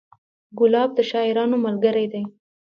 ګلاب د شاعرانو ملګری دی.